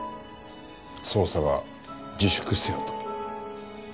捜査は自粛せよと。